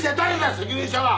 責任者は！